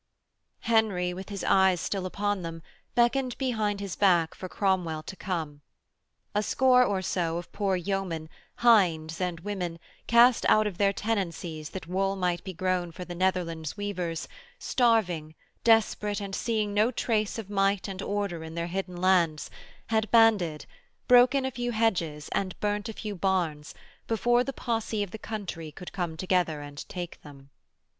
Henry, with his eyes still upon them, beckoned behind his back for Cromwell to come. A score or so of poor yeomen, hinds and women, cast out of their tenancies that wool might be grown for the Netherlands weavers, starving, desperate, and seeing no trace of might and order in their hidden lands, had banded, broken a few hedges and burnt a few barns before the posse of the country could come together and take them.